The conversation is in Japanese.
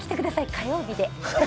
火曜日で。